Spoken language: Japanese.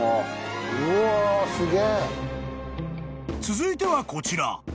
［続いてはこちら］